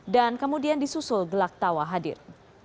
dan kemudian disusul gelak tawa hadir